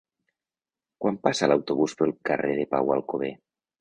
Quan passa l'autobús pel carrer Pau Alcover?